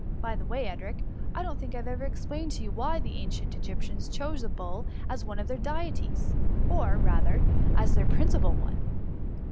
By the way, Edric, I don't think I ever explained to you why the ancient Egyptians chose a bull as one of their deities, 'or, rather, as their principal one.